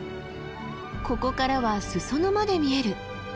ここからは裾野まで見える！